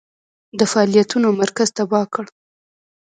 د فعالیتونو مرکز تباه کړ.